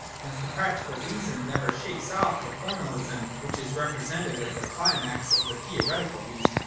Hence the Practical Reason never shakes off the formalism which is repre sented as the climax of the Theoretical Reason.